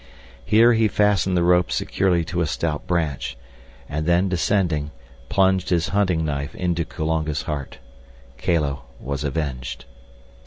Here he fastened the rope securely to a stout branch, and then, descending, plunged his hunting knife into Kulonga's heart. Kala was avenged.